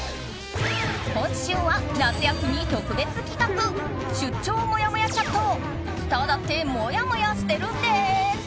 今週は夏休み特別企画出張もやもやチャットスターだってもやもやしてるんです！